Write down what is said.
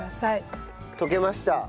溶けました。